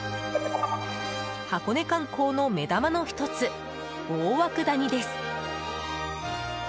箱根観光の目玉の１つ大涌谷です。